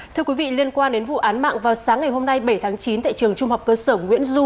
thưa quý vị liên quan đến vụ án mạng vào sáng ngày hôm nay bảy tháng chín tại trường trung học cơ sở nguyễn du